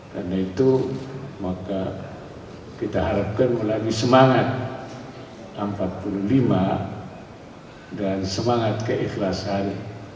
karena itu maka kita harapkan melalui semangat empat puluh lima dan semangat keikhlasan